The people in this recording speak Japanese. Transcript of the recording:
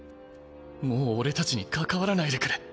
もう俺たちに関わらないでくれ。